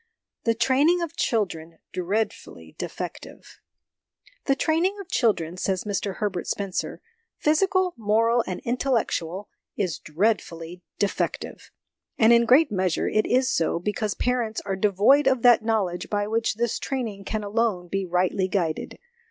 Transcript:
The Training of Children 'dreadfully de fective.' "The training of children," says Mr Herbert Spencer "physical, moral, and intellectual is dreadfully defective. And in great measure it is so, because parents are devoid of that knowledge by which this training can alone be rightly guided.